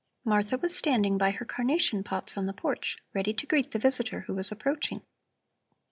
Martha was standing by her carnation pots on the porch, ready to greet the visitor who was approaching.